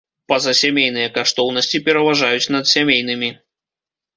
Пазасямейныя каштоўнасці пераважаюць над сямейнымі.